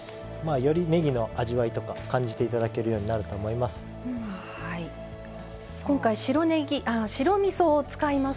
より、ねぎの味わいとか感じていただけるようになると思います。